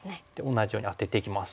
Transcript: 同じようにアテていきます。